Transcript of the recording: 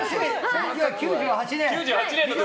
１９９８年。